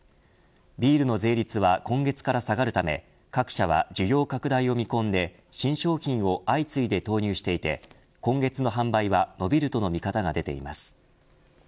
ビールの税率は今月から下がるため、各社は需要拡大を見込んで新商品を相次いで投入していて今月の販売は伸びるとの見方が出ています。